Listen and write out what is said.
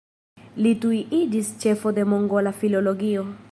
Li tuj iĝis ĉefo de mongola filologio.